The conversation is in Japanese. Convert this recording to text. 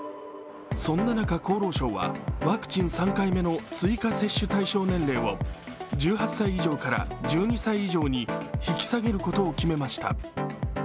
そんな中、厚労省はワクチン３回目の追加接種対象年齢を１８歳以上から１２歳以上に引き下げることを決めました。